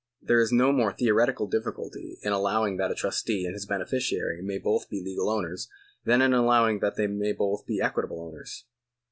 There is no more theoretical difficulty in allowing that a trustee and his beneficiary may both be legal owners, than in allowing that they may both be equitable owners.